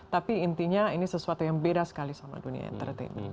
tapi intinya ini sesuatu yang beda sekali sama dunia entertain